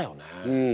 うん。